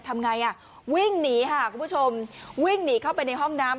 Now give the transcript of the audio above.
ทำไงอ่ะวิ่งหนีค่ะคุณผู้ชมวิ่งหนีเข้าไปในห้องน้ำ